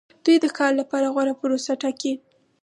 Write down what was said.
دوی د کار لپاره غوره پروسه ټاکي.